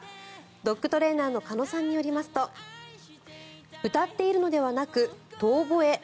ドッグトレーナーの鹿野さんによりますと歌っているのではなく遠ぼえ。